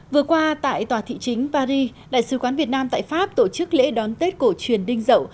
vừa qua tại tòa thị chính paris đại sứ quán việt nam tại pháp tổ chức lễ đón tết cổ truyền đinh rậu